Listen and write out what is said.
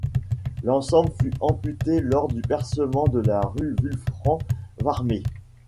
L'ensemble fut amputé lors du percement de la rue Vulfran Warmé.